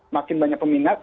makin banyak peminat